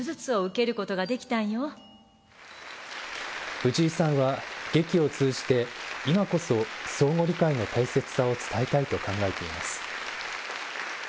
藤井さんは劇を通じて、今こそ、相互理解の大切さを伝えたいと考えています。